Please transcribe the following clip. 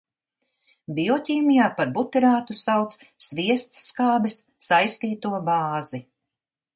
Bioķīmijā par butirātu sauc sviestskābes saistīto bāzi.